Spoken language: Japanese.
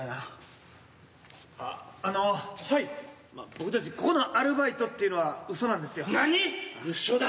僕たちここのアルバイトっていうのはうそなんですよ。